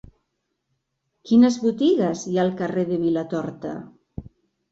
Quines botigues hi ha al carrer de Vilatorta?